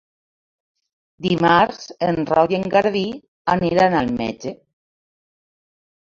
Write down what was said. Dimarts en Roc i en Garbí aniran al metge.